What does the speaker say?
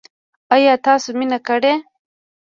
ایا تاسو مینه کړې؟